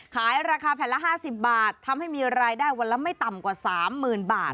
ขายราคาแผ่นละ๕๐บาททำให้มีรายได้วันละไม่ต่ำกว่า๓๐๐๐บาท